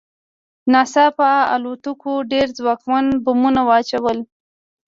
ناڅاپه الوتکو ډېر ځواکمن بمونه واچول